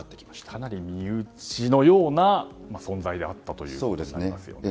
かなり身内のような存在であったということになりますね。